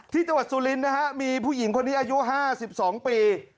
ที่จังหวัดซูลิ้นนะฮะมีผู้หญิงคนนี้อายุห้าสิบสองปี